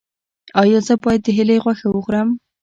ایا زه باید د هیلۍ غوښه وخورم؟